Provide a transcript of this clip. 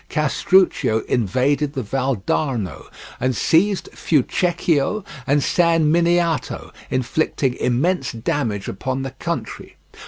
Castruccio invaded the Valdarno, and seized Fucecchio and San Miniato, inflicting immense damage upon the country.